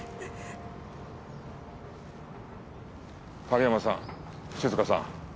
景山さん静香さん